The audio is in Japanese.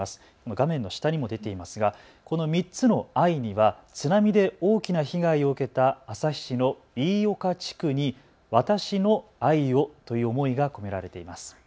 画面の下にも出ていますがこの３つのｉには津波で大きな被害を受けた旭市の飯岡地区に私の愛をという思いが込められています。